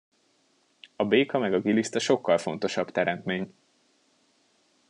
A béka meg a giliszta sokkal fontosabb teremtmény!